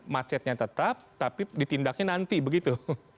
macetnya tetap tapi ditindaknya nanti begitu